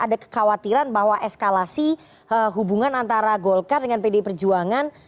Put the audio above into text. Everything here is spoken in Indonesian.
ada kekhawatiran bahwa eskalasi hubungan antara golkar dengan pdi perjuangan